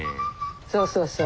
そうそうそう。